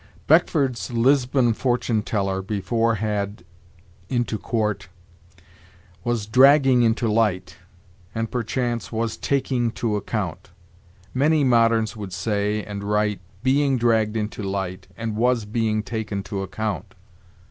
"Beckford's Lisbon fortune teller, before had into court, was 'dragging into light,' and, perchance, 'was taking to account.' Many moderns would say and write 'being dragged into light,' and 'was being taken to account.'